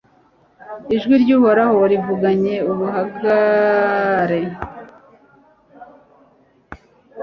ijwi ry’Uhoraho rivuganye ubuhangare